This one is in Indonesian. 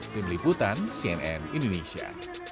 tim liputan cnn indonesia